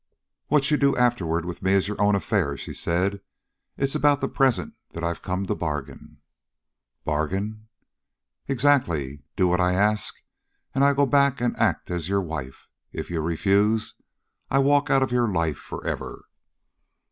"What you do afterward with me is your own affair," she said. "It's about the present that I've come to bargain." "Bargain?" "Exactly! Do what I ask, and I go back and act as your wife. If you refuse, I walk out of your life forever."